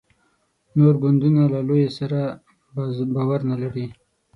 نور ګوندونه له لویه سره باور نه لري.